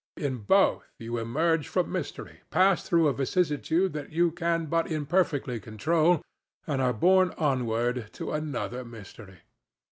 In both you emerge from mystery, pass through a vicissitude that you can but imperfectly control, and are borne onward to another mystery.